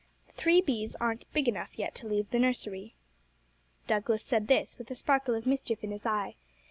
'The three B's aren't big enough yet to leave the nursery.' Douglas said this with a sparkle of mischief in his eye.